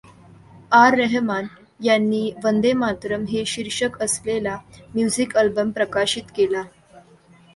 आर्. रहमान यांनी वंदे मातरम् हे शीर्षक असलेला म्युझिक अल्बम प्रकाशित केला.